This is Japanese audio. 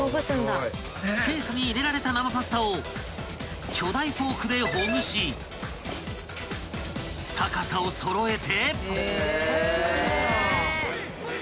［ケースに入れられた生パスタを巨大フォークでほぐし高さを揃えて］